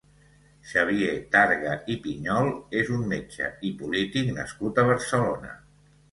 Xavier Targa i Piñol és un metge i polític nascut a Barcelona.